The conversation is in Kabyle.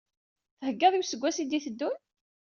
Theggaḍ i useggas i d-iteddun?